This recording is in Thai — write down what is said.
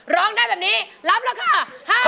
ร้องได้แปบนี้รับแล้วค่ะ